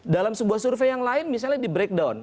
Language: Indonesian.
dalam sebuah survei yang lain misalnya di breakdown